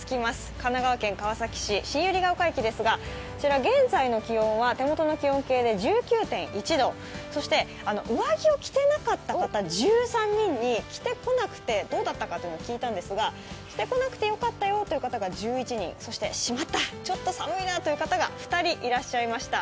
神奈川県川崎市、新百合ヶ丘駅ですが、現在の気温は手元の気温計で１９．１度、そして上着を着てなかった方１３人に、着てこなくてどうだったか聞いたんですが、着てこなくてよかったよという方が１１人、しまったちょっと寒いなという方が２人いらっしゃいました。